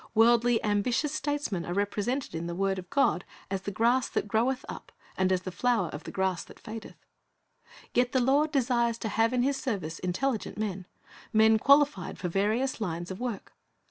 Worldly, ambitious statesmen are represented in the word of God as the grass that groweth up, and as the flower of the grass that fadeth. Yet the Lord desires to have in His service intelligent men, men qualified for various lines of work.